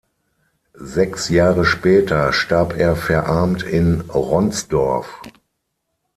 Sechs Jahre später starb er verarmt in Ronsdorf.